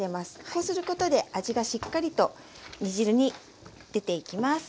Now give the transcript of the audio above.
こうすることで味がしっかりと煮汁に出ていきます。